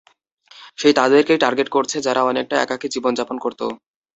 সেই তাদেরকেই টার্গেট করছে যারা অনেকটা একাকী জীবন-যাপন করতো।